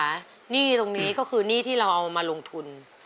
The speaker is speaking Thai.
หนี้ตรงนี้ก็คือหนี้ที่เราเอามาลงทุน